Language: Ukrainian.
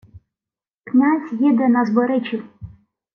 Князь іде на Зборичів.